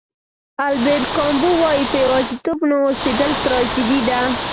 البر کامو وایي په یوازېتوب نه اوسېدل تراژیدي ده.